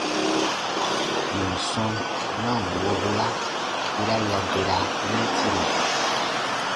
Yèn sɔ̃ na ǹ wobura, yera ya dera mɛɛtiri.